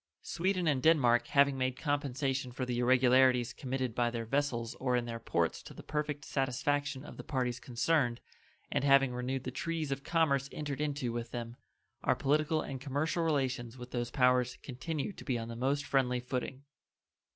Sweden and Denmark having made compensation for the irregularities committed by their vessels or in their ports to the perfect satisfaction of the parties concerned, and having renewed the treaties of commerce entered into with them, our political and commercial relations with those powers continue to be on the most friendly footing.